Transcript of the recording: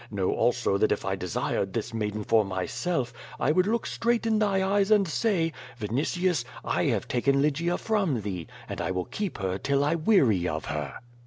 Know also that if I desired this maiden for myself, I would look straight in thy eyes and say: *Vinitius, I have taken Lygia from thee, and I will keep her till I weary of her.'